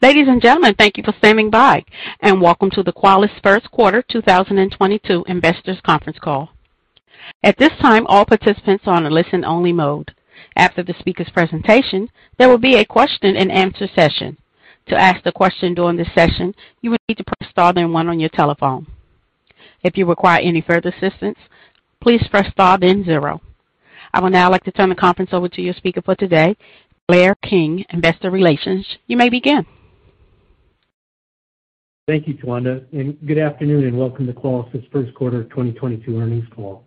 Ladies and gentlemen, thank you for standing by and welcome to the Qualys's First Quarter 2022 Investors Conference Call. At this time, all participants are on a listen only mode. After the speaker's presentation, there will be a question and answer session. To ask the question during this session, you will need to press star then one on your telephone. If you require any further assistance, please press star then zero. I would now like to turn the conference over to your speaker for today, Blair King, Investor Relations. You may begin. Thank you, Tawanda, and good afternoon and welcome to Qualys' First Quarter 2022 earnings call.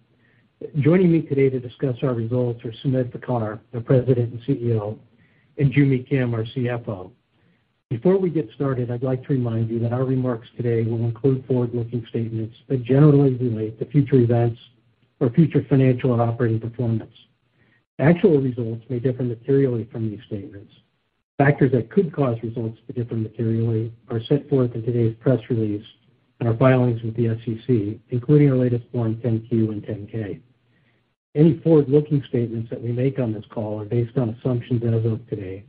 Joining me today to discuss our results are Sumedh Thakar, our President and CEO, and Joo Mi Kim, our CFO. Before we get started, I'd like to remind you that our remarks today will include forward-looking statements that generally relate to future events or future financial and operating performance. Actual results may differ materially from these statements. Factors that could cause results to differ materially are set forth in today's press release and our filings with the SEC, including our latest Form 10-Q and 10-K. Any forward-looking statements that we make on this call are based on assumptions as of today,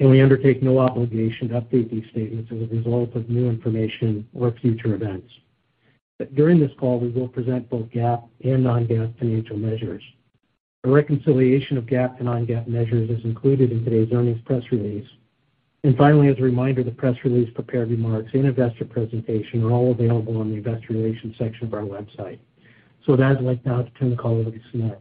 and we undertake no obligation to update these statements as a result of new information or future events. During this call, we will present both GAAP and non-GAAP financial measures. A reconciliation of GAAP to non-GAAP measures is included in today's earnings press release. Finally, as a reminder, the press release prepared remarks and investor presentation are all available on the investor relations section of our website. With that, I'd like now to turn the call over to Sumedh.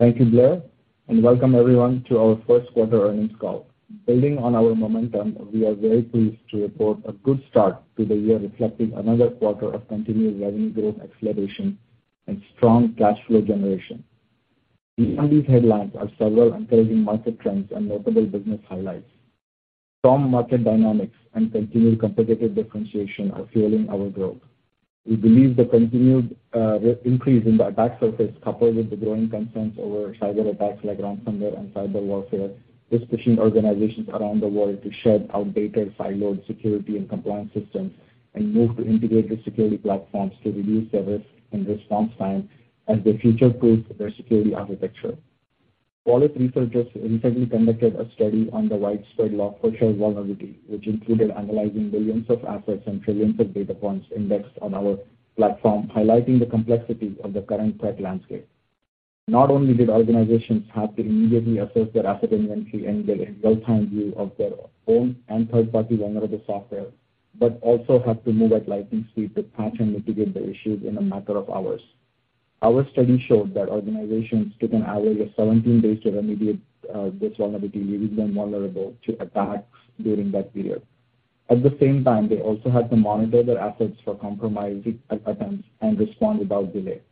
Thank you, Blair, and welcome everyone to our first quarter earnings call. Building on our momentum, we are very pleased to report a good start to the year, reflecting another quarter of continued revenue growth acceleration and strong cash flow generation. Beyond these headlines are several encouraging market trends and notable business highlights. Strong market dynamics and continued competitive differentiation are fueling our growth. We believe the continued increase in the attack surface, coupled with the growing concerns over cyberattacks like ransomware and cyber warfare, is pushing organizations around the world to shed outdated siloed security and compliance systems and move to integrated security platforms to reduce their risk and response time as they future-proof their security architecture. Qualys researchers recently conducted a study on the widespread Log4Shell vulnerability, which included analyzing billions of assets and trillions of data points indexed on our platform, highlighting the complexities of the current threat landscape. Not only did organizations have to immediately assess their asset inventory and get a real-time view of their own and third-party vulnerable software, but also have to move at lightning speed to patch and mitigate the issues in a matter of hours. Our study showed that organizations took an average of 17 days to remediate this vulnerability, leaving them vulnerable to attacks during that period. At the same time, they also had to monitor their assets for compromise attempts and respond without delay.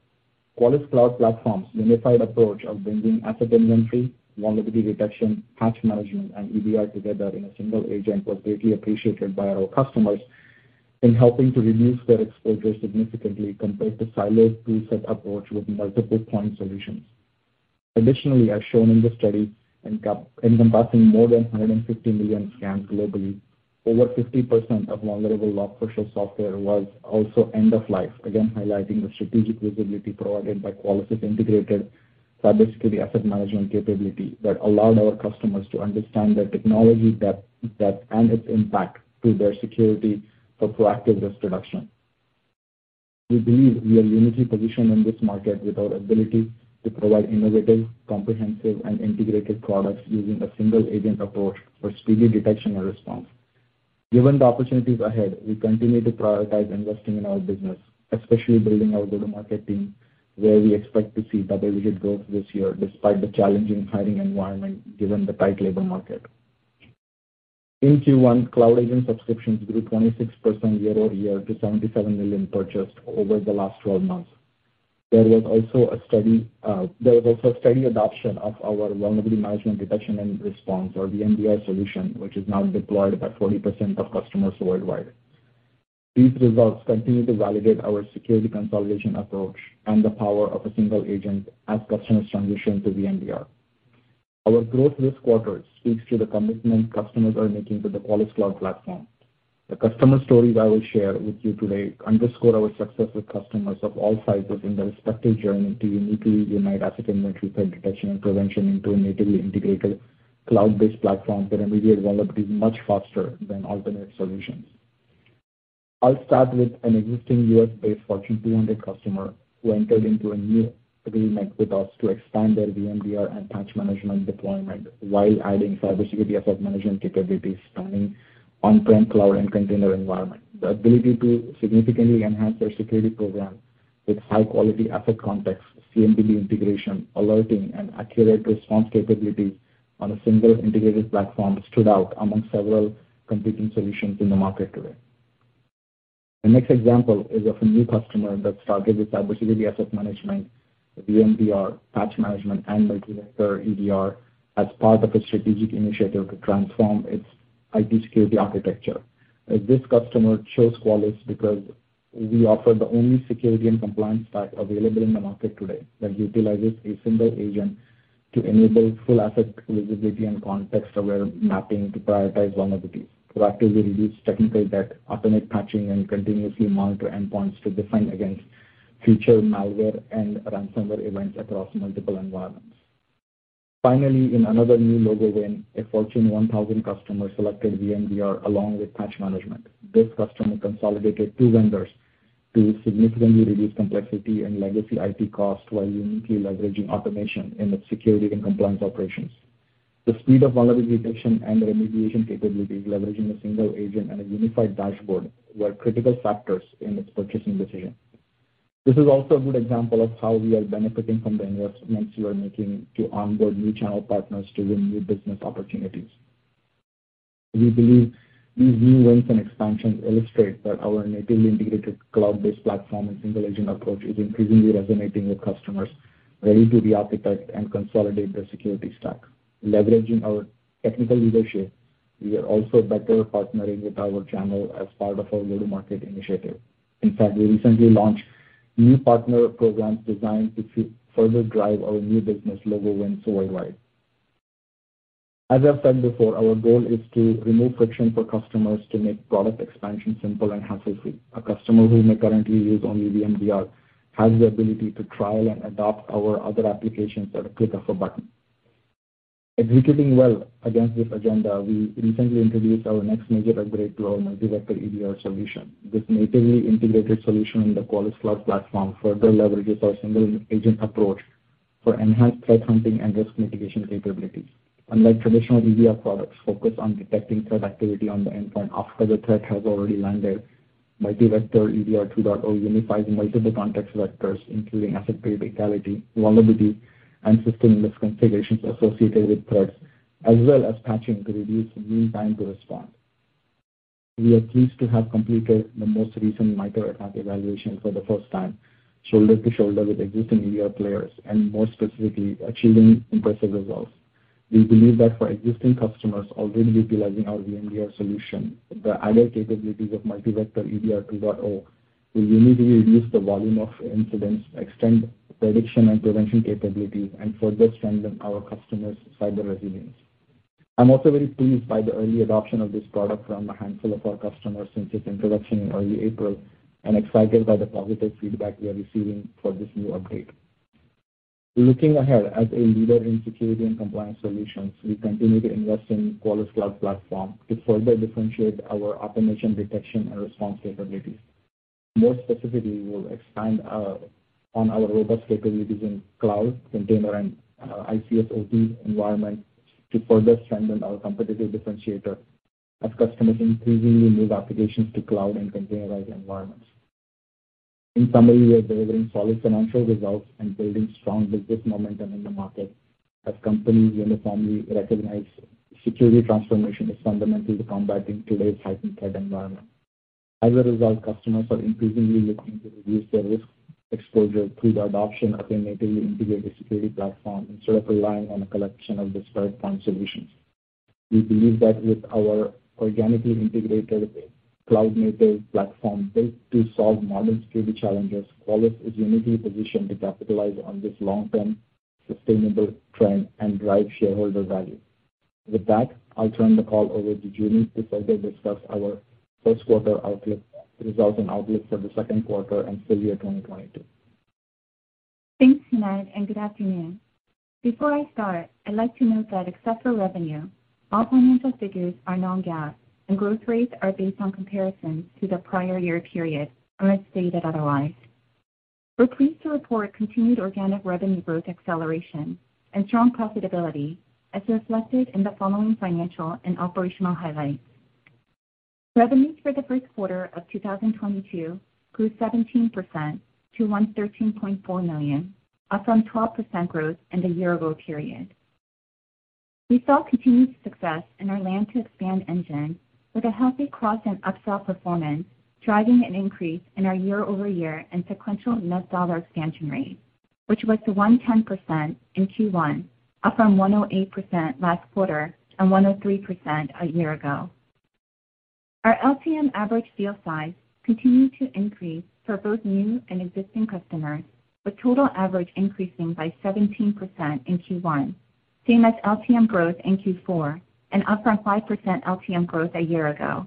Qualys Cloud Platform's unified approach of bringing asset inventory, vulnerability detection, Patch Management, and EDR together in a single agent was greatly appreciated by our customers in helping to reduce their exposure significantly compared to siloed toolset approach with multiple point solutions. Additionally, as shown in the study encompassing more than 150 million scans globally, over 50% of vulnerable Log4Shell software was also end of life, again highlighting the strategic visibility provided by Qualys' integrated CyberSecurity Asset Management capability that allowed our customers to understand their technology debt and its impact to their security for proactive risk reduction. We believe we are uniquely positioned in this market with our ability to provide innovative, comprehensive, and integrated products using a single agent approach for speedy detection and response. Given the opportunities ahead, we continue to prioritize investing in our business, especially building our go-to-market team, where we expect to see double-digit growth this year despite the challenging hiring environment given the tight labor market. In Q1, Cloud Agent subscriptions grew 26% year-over-year to $77 million purchased over the last twelve months. There was also a steady adoption of our Vulnerability Management, Detection, and Response, or VMDR solution, which is now deployed by 40% of customers worldwide. These results continue to validate our security consolidation approach and the power of a single agent as customers transition to VMDR. Our growth this quarter speaks to the commitment customers are making to the Qualys Cloud Platform. The customer stories I will share with you today underscore our success with customers of all sizes in their respective journey to uniquely unite asset inventory, threat detection, and prevention into a natively integrated cloud-based platform that remediate vulnerabilities much faster than alternate solutions. I'll start with an existing U.S.-based Fortune 200 customer who entered into a new agreement with us to expand their VMDR and Patch Management deployment while adding CyberSecurity Asset Management capabilities spanning on-prem cloud and container environment. The ability to significantly enhance their security program with high-quality asset context, CMDB integration, alerting, and accurate response capabilities on a single integrated platform stood out among several competing solutions in the market today. The next example is of a new customer that started with CyberSecurity Asset Management, VMDR, Patch Management, and Multi-Vector EDR as part of a strategic initiative to transform its IT security architecture. This customer chose Qualys because we offer the only security and compliance stack available in the market today that utilizes a single agent to enable full asset visibility and context-aware mapping to prioritize vulnerabilities, proactively reduce technical debt, automate patching, and continuously monitor endpoints to defend against future malware and ransomware events across multiple environments. Finally, in another new logo win, a Fortune 1000 customer selected VMDR along with Patch Management. This customer consolidated two vendors to significantly reduce complexity and legacy IT costs while uniquely leveraging automation in its security and compliance operations. The speed of vulnerability detection and remediation capabilities leveraging a single agent and a unified dashboard were critical factors in its purchasing decision. This is also a good example of how we are benefiting from the investments we are making to onboard new channel partners to win new business opportunities. We believe these new wins and expansions illustrate that our natively integrated cloud-based platform and single agent approach is increasingly resonating with customers ready to re-architect and consolidate their security stack. Leveraging our technical leadership, we are also better partnering with our channel as part of our go-to-market initiative. In fact, we recently launched new partner programs designed to further drive our new business logo wins worldwide. As I've said before, our goal is to remove friction for customers to make product expansion simple and hassle-free. A customer who may currently use only VMDR has the ability to trial and adopt our other applications at a click of a button. Executing well against this agenda, we recently introduced our next major upgrade to our Multi-Vector EDR solution. This natively integrated solution in the Qualys Cloud Platform further leverages our single agent approach for enhanced threat hunting and risk mitigation capabilities. Unlike traditional EDR products focused on detecting threat activity on the endpoint after the threat has already landed, Multi-Vector EDR 2.0 unifies multiple context vectors, including asset criticality, vulnerability, and system misconfigurations associated with threats, as well as patching to reduce mean time to respond. We are pleased to have completed the most recent MITRE ATT&CK evaluation for the first time, shoulder to shoulder with existing EDR players, and more specifically, achieving impressive results. We believe that for existing customers already utilizing our VMDR solution, the added capabilities of Multi-Vector EDR 2.0 will uniquely reduce the volume of incidents, extend prediction and prevention capabilities, and further strengthen our customers' cyber resilience. I'm also very pleased by the early adoption of this product from a handful of our customers since its introduction in early April and excited by the positive feedback we are receiving for this new upgrade. Looking ahead, as a leader in security and compliance solutions, we continue to invest in Qualys Cloud Platform to further differentiate our automation detection and response capabilities. More specifically, we'll expand on our robust capabilities in cloud, container, and ICS/OT environments to further strengthen our competitive differentiator as customers increasingly move applications to cloud and containerized environments. In summary, we are delivering solid financial results and building strong business momentum in the market as companies uniformly recognize security transformation is fundamental to combating today's heightened threat environment. As a result, customers are increasingly looking to reduce their risk exposure through the adoption of a natively integrated security platform instead of relying on a collection of disparate point solutions. We believe that with our organically integrated cloud-native platform built to solve modern security challenges, Qualys is uniquely positioned to capitalize on this long-term sustainable trend and drive shareholder value. With that, I'll turn the call over to Joo Mi to further discuss our first quarter outlook, results and outlook for the second quarter and full year 2022. Thanks, Sumedh, and good afternoon. Before I start, I'd like to note that except for revenue, all financial figures are non-GAAP and growth rates are based on comparisons to the prior year period unless stated otherwise. We're pleased to report continued organic revenue growth acceleration and strong profitability, as reflected in the following financial and operational highlights. Revenue for the first quarter of 2022 grew 17% to $113.4 million, up from 12% growth in the year-ago period. We saw continued success in our land to expand engine with a healthy cross and upsell performance, driving an increase in our year-over-year and sequential net dollar expansion rate, which was 110% in Q1, up from 108% last quarter and 103% a year ago. Our LTM average deal size continued to increase for both new and existing customers, with total average increasing by 17% in Q1, same as LTM growth in Q4 and up from 5% LTM growth a year ago.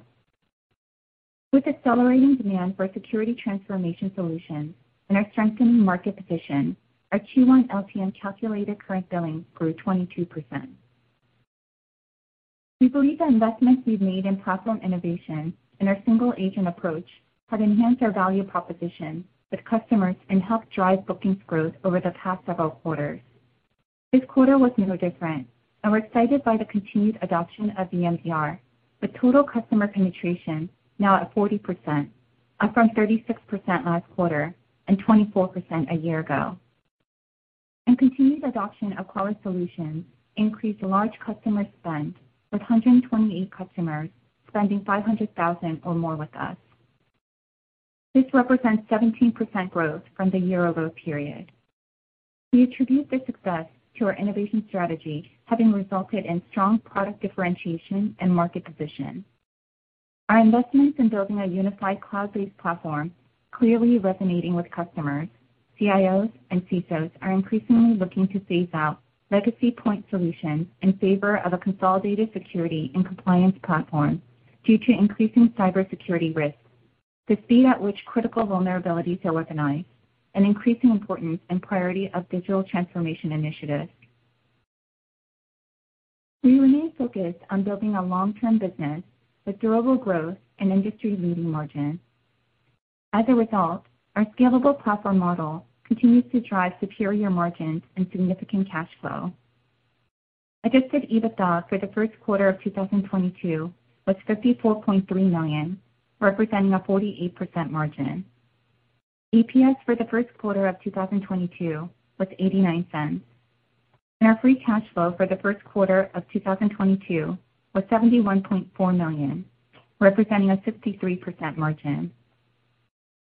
With accelerating demand for security transformation solutions and our strengthening market position, our Q1 LTM calculated current billings grew 22%. We believe the investments we've made in platform innovation and our single agent approach have enhanced our value proposition with customers and helped drive bookings growth over the past several quarters. This quarter was no different, and we're excited by the continued adoption of VMDR, with total customer penetration now at 40%, up from 36% last quarter and 24% a year ago. Continued adoption of Qualys solutions increased large customer spend, with 128 customers spending $500,000 or more with us. This represents 17% growth from the year-over-year period. We attribute this success to our innovation strategy having resulted in strong product differentiation and market position. Our investments in building a unified cloud-based platform clearly resonating with customers. CIOs and CISOs are increasingly looking to phase out legacy point solutions in favor of a consolidated security and compliance platform due to increasing cybersecurity risks, the speed at which critical vulnerabilities are exploited, and increasing importance and priority of digital transformation initiatives. We remain focused on building a long-term business with durable growth and industry-leading margins. As a result, our scalable platform model continues to drive superior margins and significant cash flow. Adjusted EBITDA for the first quarter of 2022 was $54.3 million, representing a 48% margin. EPS for the first quarter of 2022 was $0.89. Our free cash flow for the first quarter of 2022 was $71.4 million, representing a 63% margin.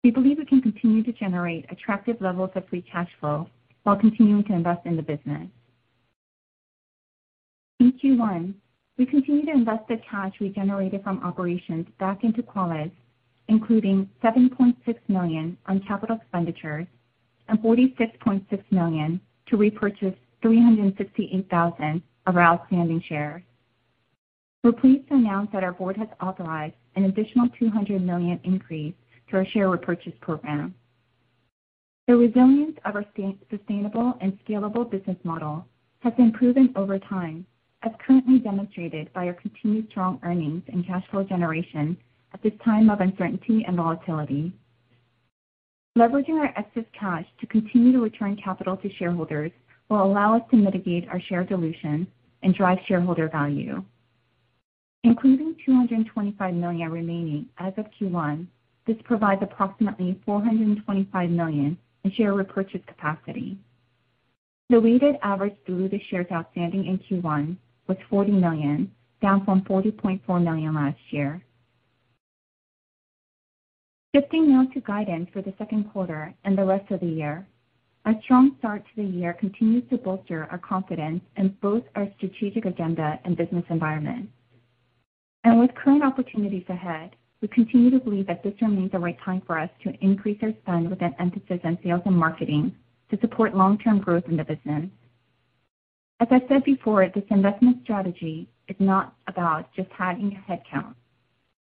We believe we can continue to generate attractive levels of free cash flow while continuing to invest in the business. In Q1, we continued to invest the cash we generated from operations back into Qualys, including $7.6 million on capital expenditures and $46.6 million to repurchase 368,000 of our outstanding shares. We're pleased to announce that our board has authorized an additional $200 million increase to our share repurchase program. The resilience of our sustainable and scalable business model has been proven over time, as currently demonstrated by our continued strong earnings and cash flow generation at this time of uncertainty and volatility. Leveraging our excess cash to continue to return capital to shareholders will allow us to mitigate our share dilution and drive shareholder value. Including $225 million remaining as of Q1, this provides approximately $425 million in share repurchase capacity. The weighted average diluted shares outstanding in Q1 was 40 million, down from 40.4 million last year. Shifting now to guidance for the second quarter and the rest of the year. Our strong start to the year continues to bolster our confidence in both our strategic agenda and business environment. With current opportunities ahead, we continue to believe that this remains the right time for us to increase our spend with an emphasis on sales and marketing to support long-term growth in the business. As I said before, this investment strategy is not about just adding headcount.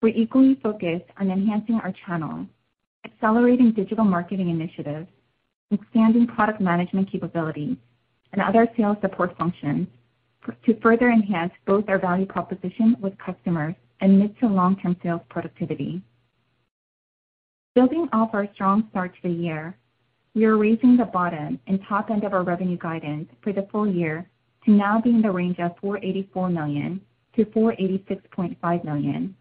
We're equally focused on enhancing our channel, accelerating digital marketing initiatives, expanding product management capability, and other sales support functions to further enhance both our value proposition with customers and mid to long-term sales productivity. Building off our strong start to the year, we are raising the bottom and top end of our revenue guidance for the full year to now be in the range of $484 million-$486.5 million,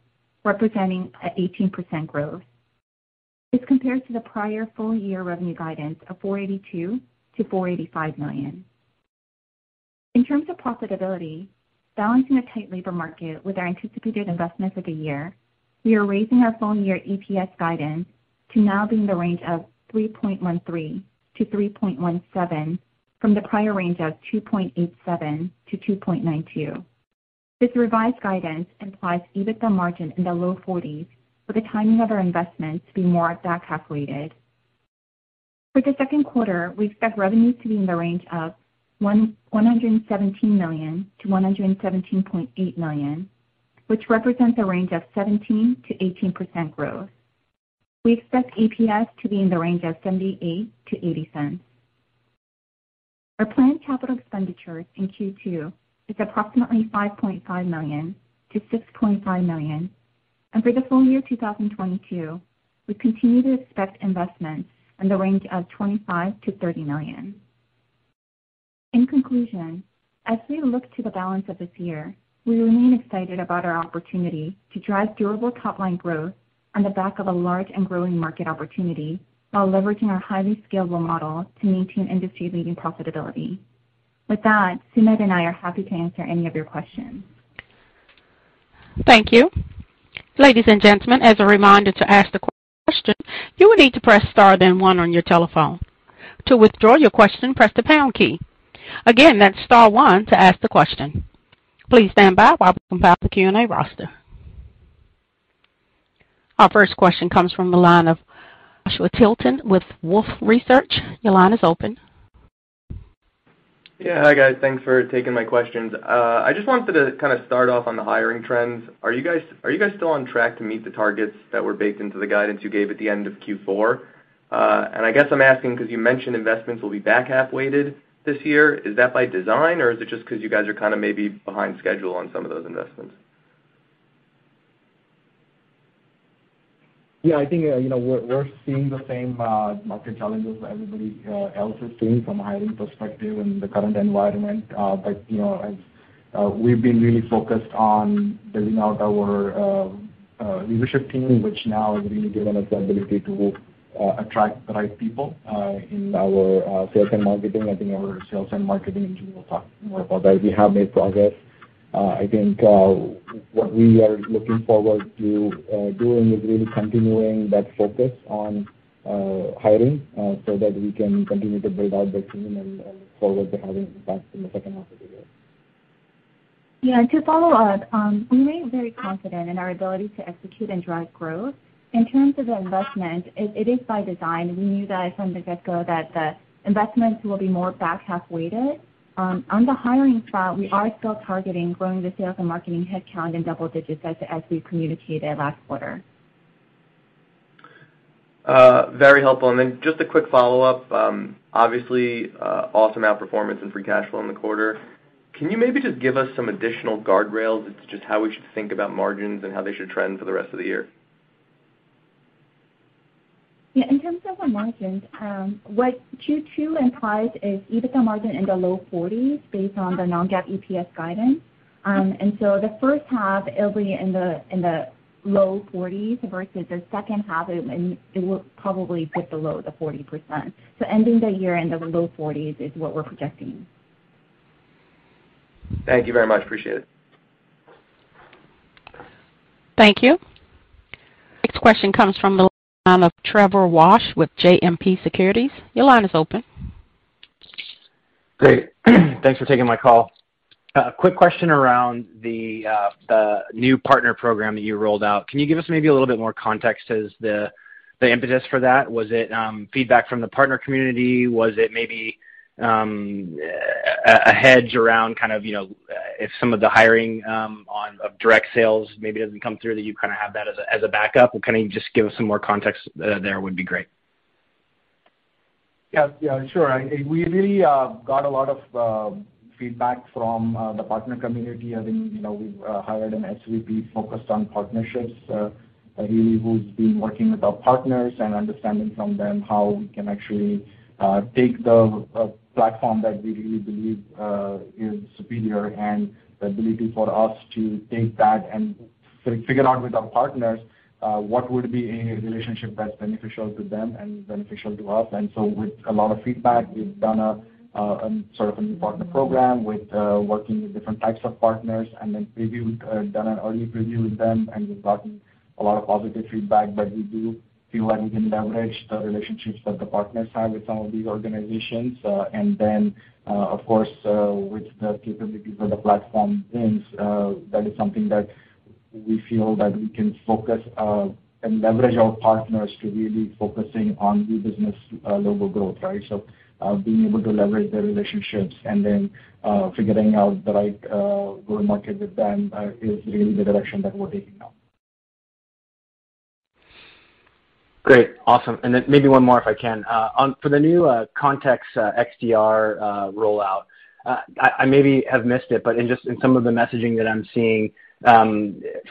representing 18% growth. This compares to the prior full year revenue guidance of $482 million-$485 million. In terms of profitability, balancing a tight labor market with our anticipated investments of the year, we are raising our full year EPS guidance to now be in the range of $3.13-$3.17 from the prior range of $2.87-$2.92. This revised guidance implies EBITDA margin in the low 40s% for the timing of our investments to be more back-half weighted. For the second quarter, we expect revenue to be in the range of $117 million-$117.8 million, which represents a range of 17%-18% growth. We expect EPS to be in the range of $0.78-$0.80. Our planned capital expenditures in Q2 is approximately $5.5 million-$6.5 million. For the full year 2022, we continue to expect investments in the range of $25 million-$30 million. In conclusion, as we look to the balance of this year, we remain excited about our opportunity to drive durable top-line growth on the back of a large and growing market opportunity while leveraging our highly scalable model to maintain industry-leading profitability. With that, Sumedh and I are happy to answer any of your questions. Thank you. Ladies and gentlemen, as a reminder to ask the question, you will need to press star then one on your telephone. To withdraw your question, press the pound key. Again, that's star one to ask the question. Please stand by while we compile the Q&A roster. Our first question comes from the line of Joshua Tilton with Wolfe Research. Your line is open. Yeah. Hi, guys. Thanks for taking my questions. I just wanted to kind of start off on the hiring trends. Are you guys still on track to meet the targets that were baked into the guidance you gave at the end of Q4? And I guess I'm asking 'cause you mentioned investments will be back-half weighted this year. Is that by design or is it just 'cause you guys are kind of maybe behind schedule on some of those investments? Yeah, I think, you know, we're seeing the same market challenges that everybody else is seeing from a hiring perspective in the current environment. You know, as we've been really focused on building out our leadership team, which now has really given us the ability to attract the right people in our sales and marketing. I think our sales and marketing engineer will talk more about that. We have made progress. I think, what we are looking forward to doing is really continuing that focus on hiring, so that we can continue to build out the team and look forward to having impact in the second half of the year. Yeah. To follow up, we remain very confident in our ability to execute and drive growth. In terms of investment, it is by design. We knew that from the get-go that the investments will be more back-half weighted. On the hiring front, we are still targeting growing the sales and marketing headcount in double digits as we communicated last quarter. Very helpful. Just a quick follow-up. Obviously, awesome outperformance and free cash flow in the quarter. Can you maybe just give us some additional guardrails into just how we should think about margins and how they should trend for the rest of the year? Yeah. In terms of the margins, what Q2 implies is EBITDA margin in the low 40s% based on the non-GAAP EPS guidance. The first half, it'll be in the low 40s% versus the second half, it will probably dip below the 40%. Ending the year in the low 40s% is what we're projecting. Thank you very much. Appreciate it. Thank you. Next question comes from the line of Trevor Walsh with JMP Securities. Your line is open. Great. Thanks for taking my call. A quick question around the new partner program that you rolled out. Can you give us maybe a little bit more context as to the impetus for that? Was it feedback from the partner community? Was it maybe a hedge around kind of, you know, if some of the hiring on the direct sales maybe doesn't come through that you kinda have that as a backup? Or can you just give us some more context, that would be great. Yeah. Yeah, sure. We really got a lot of feedback from the partner community. I think, you know, we've hired an SVP focused on partnerships, really who's been working with our partners and understanding from them how we can actually take the platform that we really believe is superior and the ability for us to take that and figure out with our partners what would be a relationship that's beneficial to them and beneficial to us. With a lot of feedback, we've done a sort of a partner program, working with different types of partners, and then done an early preview with them, and we've gotten a lot of positive feedback. We do feel like we can leverage the relationships that the partners have with some of these organizations. Of course, with the capability for the platform wins, that is something that we feel that we can focus and leverage our partners to really focusing on new business logo growth, right? Being able to leverage their relationships and then figuring out the right go to market with them is really the direction that we're taking now. Great. Awesome. Maybe one more, if I can. For the new Context XDR rollout, I maybe have missed it, but in just some of the messaging that I'm seeing,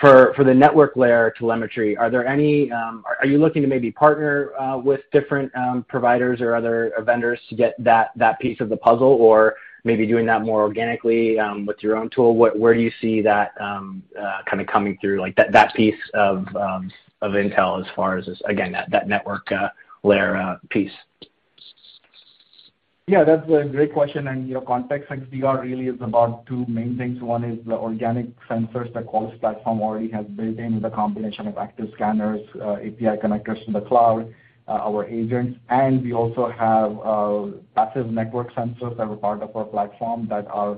for the network layer telemetry, are there any, are you looking to maybe partner with different providers or other vendors to get that piece of the puzzle or maybe doing that more organically with your own tool? Where do you see that kinda coming through, like, that piece of intel as far as, again, that network layer piece? Yeah, that's a great question. You know, Context XDR really is about two main things. One is the organic sensors that Qualys platform already has built in with a combination of active scanners, API connectors in the cloud, our agents, and we also have passive network sensors that are part of our platform that are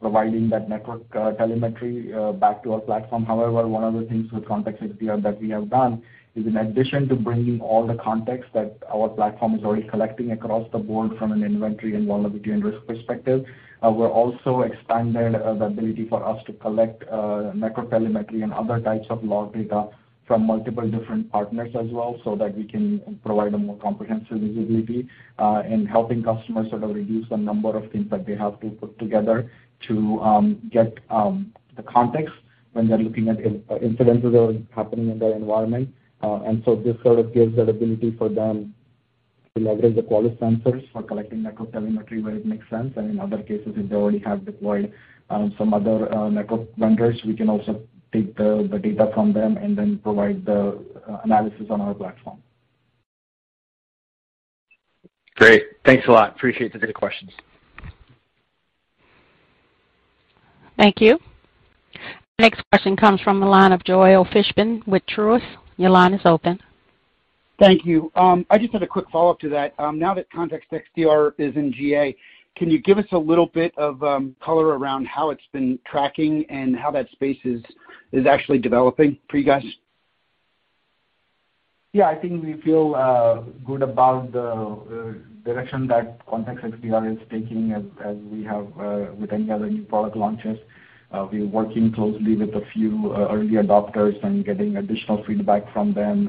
providing that network telemetry back to our platform. However, one of the things with Context XDR that we have done is in addition to bringing all the context that our platform is already collecting across the board from an inventory and vulnerability and risk perspective, we're also expanding the ability for us to collect network telemetry and other types of log data from multiple different partners as well, so that we can provide a more comprehensive visibility in helping customers sort of reduce the number of things that they have to put together to get the context when they're looking at incidents that are happening in their environment. This sort of gives the ability for them to leverage the Qualys sensors for collecting network telemetry where it makes sense. In other cases, if they already have deployed some other network vendors, we can also take the data from them and then provide the analysis on our platform. Great. Thanks a lot. Appreciate the good questions. Thank you. Next question comes from the line of Joel Fishbein with Truist. Your line is open. Thank you. I just had a quick follow-up to that. Now that Context XDR is in GA, can you give us a little bit of color around how it's been tracking and how that space is actually developing for you guys? Yeah. I think we feel good about the direction that Context XDR is taking as we have with any other new product launches. We're working closely with a few early adopters and getting additional feedback from them.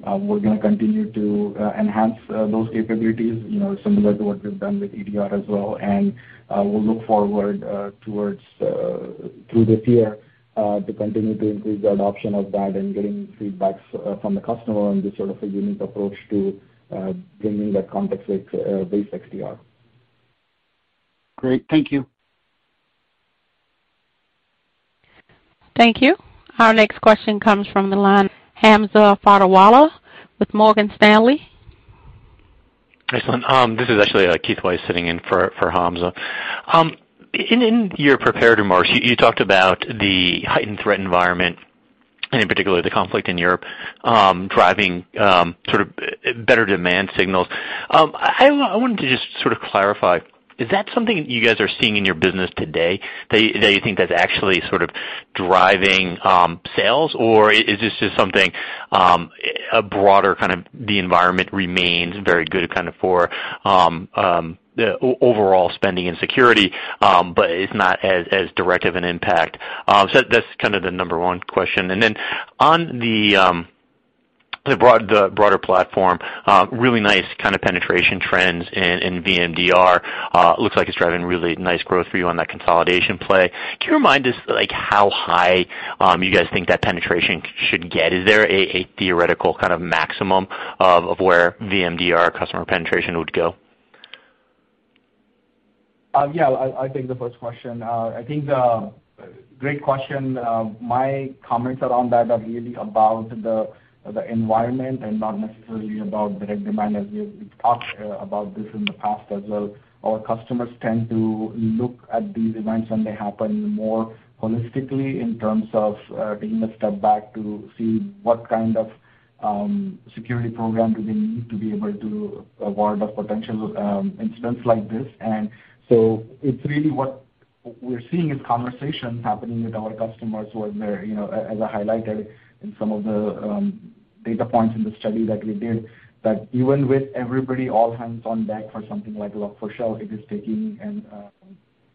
We're gonna continue to enhance those capabilities, you know, similar to what we've done with EDR as well. We'll look forward towards through this year to continue to increase the adoption of that and getting feedback from the customer and this sort of a unique approach to bringing that Context XDR. Great. Thank you. Thank you. Our next question comes from the line of Hamza Fodderwala with Morgan Stanley. Excellent. This is actually Keith Weiss sitting in for Hamza. In your prepared remarks, you talked about the heightened threat environment, and in particular, the conflict in Europe, driving sort of better demand signals. I wanted to just sort of clarify, is that something you guys are seeing in your business today that you think that's actually sort of driving sales, or is this just something a broader kind of the environment remains very good kind of for overall spending and security, but it's not as direct of an impact? That's kind of the number one question. Then on the broader platform, really nice kind of penetration trends in VMDR, looks like it's driving really nice growth for you on that consolidation play. Can you remind us like how high, you guys think that penetration should get? Is there a theoretical kind of maximum of where VMDR customer penetration would go? I'll take the first question. I think, great question. My comments around that are really about the environment and not necessarily about direct demand, as we've talked about this in the past as well. Our customers tend to look at these events when they happen more holistically in terms of taking a step back to see what kind of security program do they need to be able to avoid the potential incidents like this. It's really what we're seeing is conversations happening with our customers when they're, you know, as I highlighted in some of the data points in the study that we did, that even with everybody all hands on deck for something like Log4Shell, it is taking an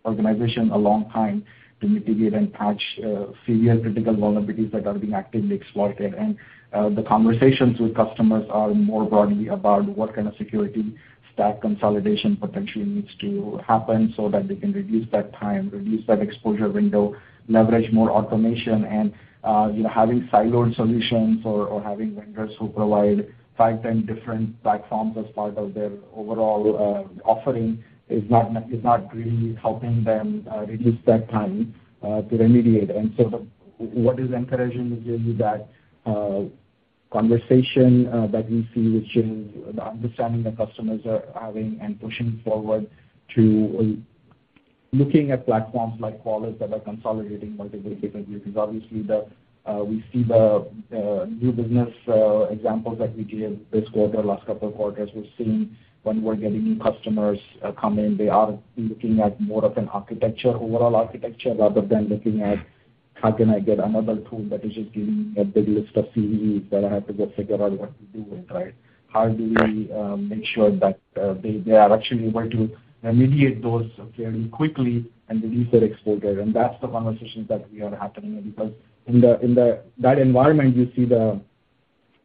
organization a long time to mitigate and patch severe critical vulnerabilities that are being actively exploited. The conversations with customers are more broadly about what kind of security stack consolidation potentially needs to happen so that they can reduce that time, reduce that exposure window, leverage more automation. You know, having siloed solutions or having vendors who provide five, 10 different platforms as part of their overall offering is not really helping them reduce that time to remediate. What is encouraging is really that conversation that we see, which is the understanding that customers are having and pushing forward to looking at platforms like Qualys that are consolidating multiple capabilities. Obviously, we see the new business examples that we gave this quarter, last couple of quarters. We're seeing when we're getting new customers come in, they are looking at more of an architecture, overall architecture, rather than looking at how can I get another tool that is just giving me a big list of CVEs that I have to go figure out what to do with, right? How do we make sure that they are actually going to remediate those fairly quickly and reduce their exposure? That's the conversations that we are having because in that environment, you see the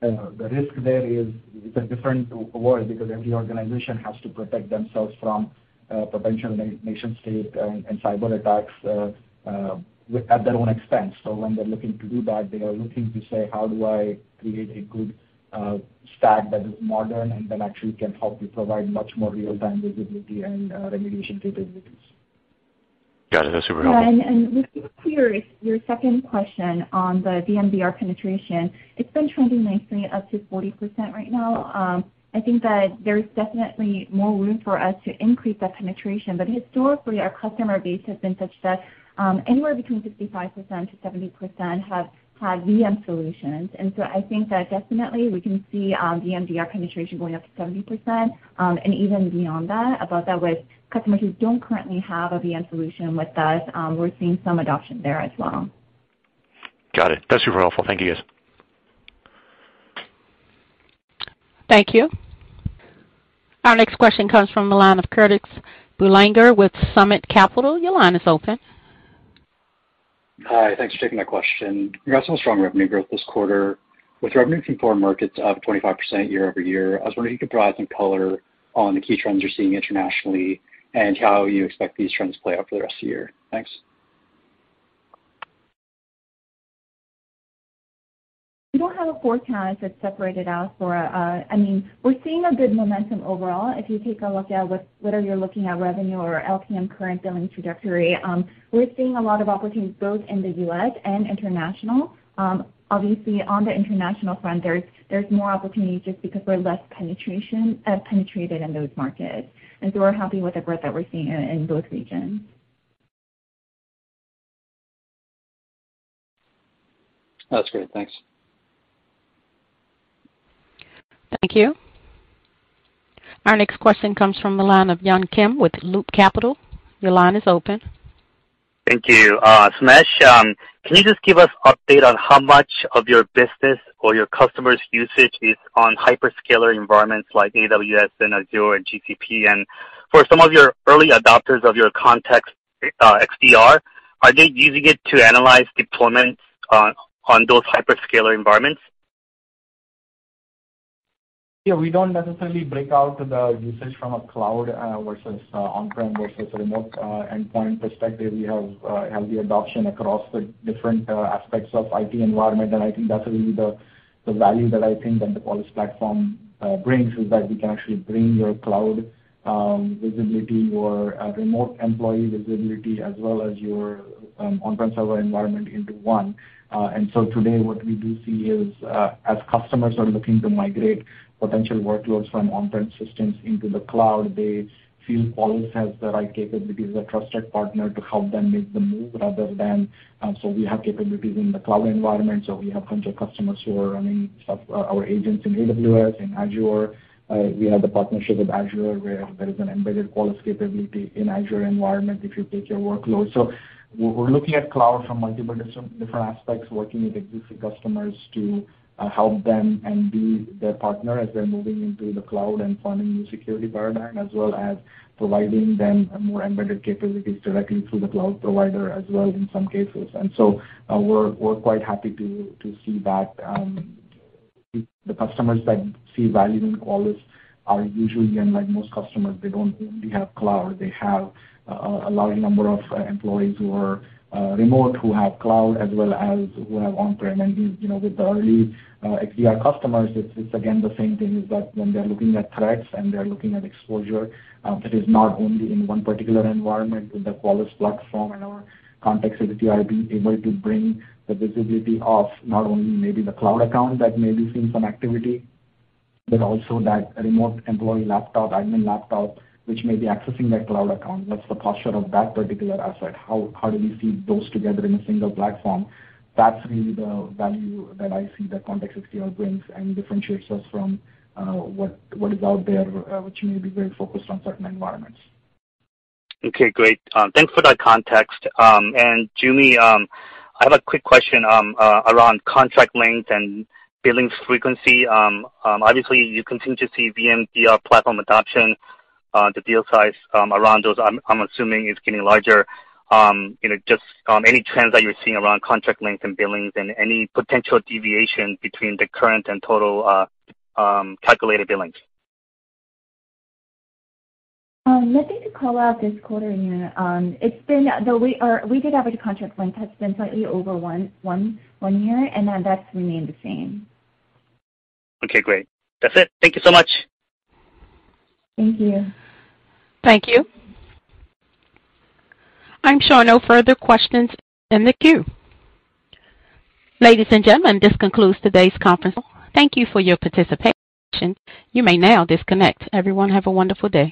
risk there is it's a different world because every organization has to protect themselves from potential nation state and cyberattacks at their own expense. When they're looking to do that, they are looking to say, "How do I create a good stack that is modern and that actually can help me provide much more real-time visibility and remediation capabilities? Got it. That's super helpful. Yeah. With your second question on the VMDR penetration, it's been trending nicely up to 40% right now. I think that there is definitely more room for us to increase that penetration. Historically, our customer base has been such that, anywhere between 65%-70% have had VM solutions. I think that definitely we can see, VMDR penetration going up to 70%, and even beyond that, above that with customers who don't currently have a VM solution with us, we're seeing some adoption there as well. Got it. That's super helpful. Thank you guys. Thank you. Our next question comes from the line of Curtis Boulanger with Summit Capital. Your line is open. Hi. Thanks for taking my question. You got some strong revenue growth this quarter with revenue from foreign markets up 25% year-over-year. I was wondering if you could provide some color on the key trends you're seeing internationally and how you expect these trends to play out for the rest of the year. Thanks. We don't have a forecast that's separated out for, I mean, we're seeing a good momentum overall. If you take a look at whether you're looking at revenue or LTM current billing trajectory, we're seeing a lot of opportunities both in the U.S. and international. Obviously, on the international front, there's more opportunities just because we're less penetrated in those markets. We're happy with the growth that we're seeing in those regions. That's great. Thanks. Thank you. Our next question comes from the line of Yun Kim with Loop Capital. Your line is open. Thank you. Sumedh, can you just give us update on how much of your business or your customers' usage is on hyperscaler environments like AWS and Azure and GCP? For some of your early adopters of your Context XDR, are they using it to analyze deployments on those hyperscaler environments? Yeah. We don't necessarily break out the usage from a cloud versus on-prem versus remote endpoint perspective. We have the adoption across the different aspects of IT environment. I think that's really the value that I think that the Qualys platform brings, is that we can actually bring your cloud visibility, your remote employee visibility, as well as your on-prem server environment into one. Today, what we do see is, as customers are looking to migrate potential workloads from on-prem systems into the cloud, they feel Qualys has the right capabilities as a trusted partner to help them make the move rather than. We have capabilities in the cloud environment, so we have tons of customers who are running our agents in AWS, in Azure. We have the partnership with Azure, where there is an embedded Qualys capability in Azure environment if you take your workload. We're looking at cloud from multiple different aspects, working with existing customers to help them and be their partner as they're moving into the cloud and forming new security paradigm, as well as providing them more embedded capabilities directly through the cloud provider as well in some cases. We're quite happy to see that the customers that see value in Qualys are usually, unlike most customers, they don't only have cloud. They have a large number of employees who are remote, who have cloud as well as who have on-prem. These, you know, with the early XDR customers, it's again the same thing is that when they're looking at threats and they're looking at exposure, that is not only in one particular environment. With the Qualys platform and our Context XDR being able to bring the visibility of not only maybe the cloud account that may be seeing some activity, but also that remote employee laptop, admin laptop, which may be accessing that cloud account. What's the posture of that particular asset? How do we see those together in a single platform? That's really the value that I see that Context XDR brings and differentiates us from, what is out there, which may be very focused on certain environments. Okay, great. Thanks for that context. Joo Mi, I have a quick question around contract length and billings frequency. Obviously you continue to see VMDR platform adoption. The deal size around those, I'm assuming it's getting larger. You know, just any trends that you're seeing around contract length and billings and any potential deviation between the current and total calculated billings. Nothing to call out this quarter year. It's been, we did have a contract length that's been slightly over one year, and then that's remained the same. Okay, great. That's it. Thank you so much. Thank you. Thank you. I'm showing no further questions in the queue. Ladies and gentlemen, this concludes today's conference call. Thank you for your participation. You may now disconnect. Everyone have a wonderful day.